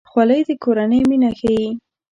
خولۍ د کورنۍ مینه ښيي.